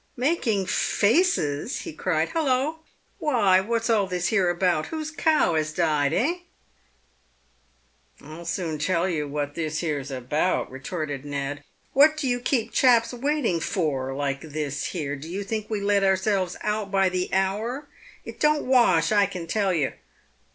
"Making faces !" he cried. " Hullo ! why, what's all this here about ? Whose cow has died, eh ?" "I'll soon tell yer what this here's about," retorted Ned. "What do you keep chaps waiting for like this here ? Do you think we let ourselves out by the hour ? It don't wash, I can tell yer."